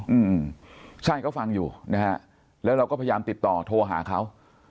อืมใช่เขาฟังอยู่นะฮะแล้วเราก็พยายามติดต่อโทรหาเขา